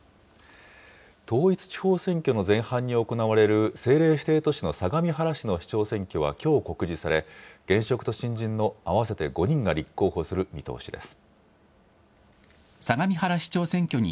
統一地方選挙の前半に行われる、政令指定都市の相模原市の市長選挙はきょう告示され、現職と新人の合わせて５人が立候補する見通しです。